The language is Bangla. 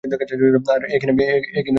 আর, এ কিনা আমাকে ফুটেজখোর বলছে!